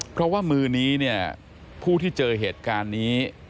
เพราะว่ามือนี้เนี่ยผู้ที่เจอเหตุการณ์นี้